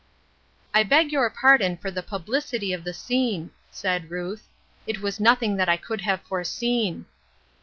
" I beg your pardon for the publicity of the scene, " said Ruth ;" it was nothing that I could have foreseen."